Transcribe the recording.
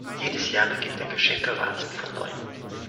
Jedes Jahr beginnt der Geschenke-Wahnsinn von Neuem.